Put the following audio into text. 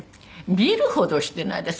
見るほどしてないです。